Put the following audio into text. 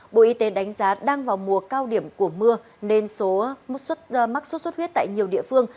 bộ y tế đánh giá đang vào mùa cao điểm của mưa nên số mắc sốt xuất huyết tại nhiều địa phương